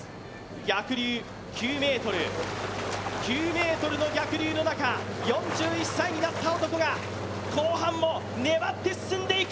逆流９ｍの中、４１歳になった男が後半も粘って進んでいく。